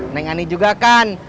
neng ani juga kan